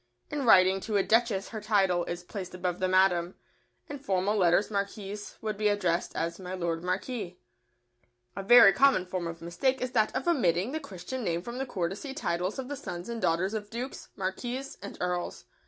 In writing to a Duchess her title is placed above the "Madam." In formal letters Marquises would be addressed as "My Lord Marquis." [Sidenote: On omitting christian names from courtesy titles.] A very common form of mistake is that of omitting the Christian name from the courtesy titles of the sons and daughters of dukes, marquises, and earls.